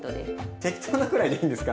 適当なくらいでいいんですか？